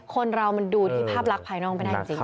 คนเรามันดูที่ภาพลักษณ์ภายนอกไม่ได้จริง